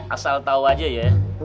asal tau aja ya